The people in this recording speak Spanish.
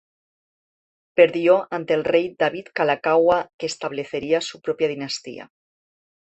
Perdió ante el rey David Kalākaua, que establecería su propia dinastía.